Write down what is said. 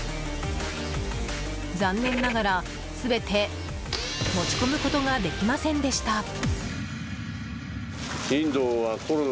残念ながら全て持ち込むことができませんでした。